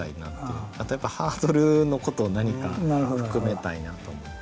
あとやっぱハードルのことを何か含めたいなと思って。